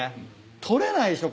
取れないでしょ